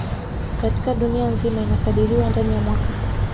Katika dunia nzima inakadiriwa ndani ya mwaka